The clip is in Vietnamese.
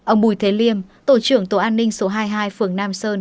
ông bùi thế liêm tổ trưởng tổ an ninh số hai mươi hai phường nam sơn